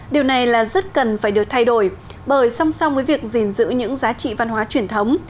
điều này là rất cần phải được thay đổi bởi song song với việc gìn giữ những giá trị văn hóa truyền thống